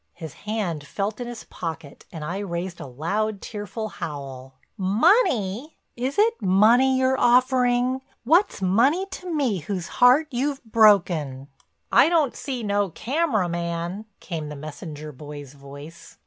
His hand felt in his pocket and I raised a loud, tearful howl: "Money! Is it money you're offering? What's money to me whose heart you've broken?" "I don't see no camera man," came the messenger boy's voice.